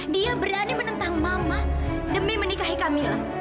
dia berani menentang mama demi menikahi camilla